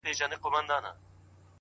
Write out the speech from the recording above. لكه مرغۍ پر ونه ناسته وي تنها پر پاڼه.!